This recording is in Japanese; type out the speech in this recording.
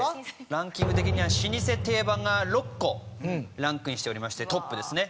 ランキング的には老舗・定番が６個ランクインしておりましてトップですね。